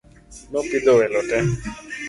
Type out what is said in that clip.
Napidho welo te.